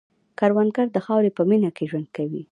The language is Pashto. کروندګر د خاورې په مینه کې ژوند کوي